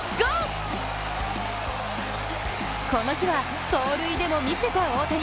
この日は走塁でも見せた大谷。